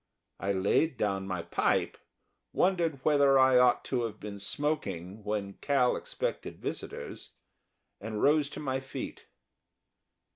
I laid down my pipe, wondered whether I ought to have been smoking when Cal expected visitors, and rose to my feet.